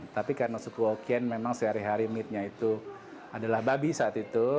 tapi karena suku oken memang sehari hari meetnya itu adalah babi saat itu